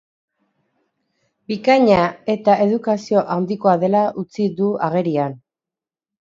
Bikaina eta edukazio handikoa dela utzi du agerian.